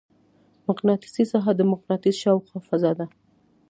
مقناطیسي ساحه د مقناطیس شاوخوا فضا ده.